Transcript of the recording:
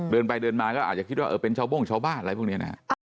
เดินไปเดินมาก็อาจจะคิดว่าเออเป็นชาวโบ้งชาวบ้านอะไรพวกนี้นะฮะ